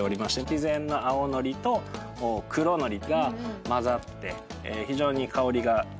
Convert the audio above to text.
自然の青のりと黒のりが混ざって非常に香りがいいおのり。